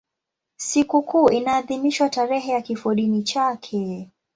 Sikukuu inaadhimishwa tarehe ya kifodini chake.